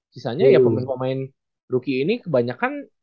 sisanya ya pemain pemain rookie ini kebanyakan